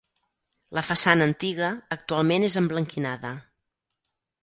La façana antiga actualment és emblanquinada.